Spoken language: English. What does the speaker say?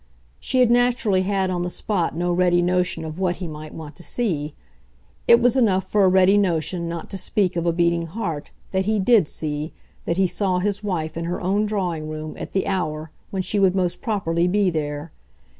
She had naturally had on the spot no ready notion of what he might want to see; it was enough for a ready notion, not to speak of a beating heart, that he DID see, that he saw his wife in her own drawing room at the hour when she would most properly be there.